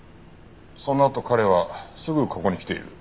そのあと彼はすぐここに来ている。